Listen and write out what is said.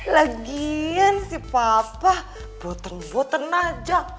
lagian si papa boten boten aja